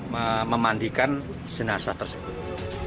memandikan jenazah tersebut